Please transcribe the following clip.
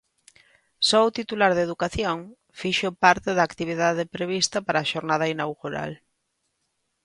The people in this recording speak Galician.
Só o titular de Educación fixo parte da actividade prevista para a xornada inaugural.